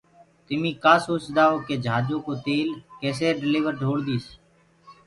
تميٚ ڪآ سوچدآئو ڪيِ جھآجو ڪو تيل ڪيسي ڊليور ڍوݪديس